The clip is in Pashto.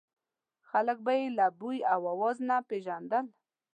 خلک به یې له بوی او اواز نه پېژندل.